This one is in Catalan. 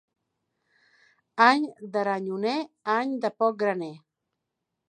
Any d'aranyoner, any de poc graner.